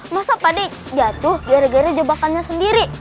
masa pak de jatuh gara gara jebakannya sendiri